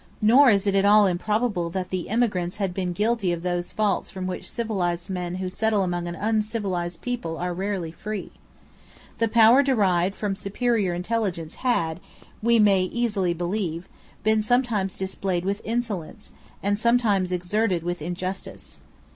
Nor is it at all improbable that the emigrants had been guilty of those faults from which civilised men who settle among an uncivilised people are rarely free. The power derived from superior intelligence had, we may easily believe, been sometimes displayed with insolence, and sometimes exerted with injustice.